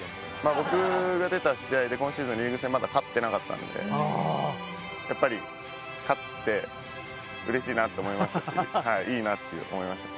僕が出た試合で今シーズンリーグ戦まだ勝ってなかったんでやっぱり勝つって嬉しいなって思いましたしいいなって思いました。